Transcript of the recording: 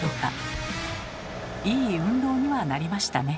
いい運動にはなりましたね。